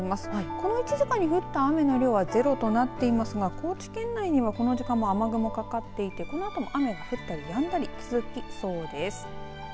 この１時間に降った雨の量はゼロとなっていますが高知県内にはこの時間も雨雲かかっていてこのあとも雨が降ったりやんだり続きそうです。